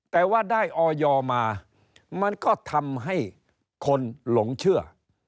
แต่ว่าได้ออยมามันก็ทำให้คนหลงเชื่อ